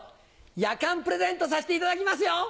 やかんプレゼントさせていただきますよ！